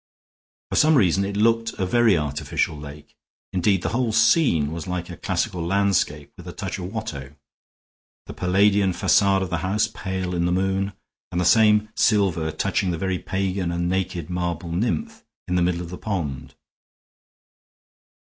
For some reason it looked a very artificial lake; indeed, the whole scene was like a classical landscape with a touch of Watteau; the Palladian facade of the house pale in the moon, and the same silver touching the very pagan and naked marble nymph in the middle of the pond.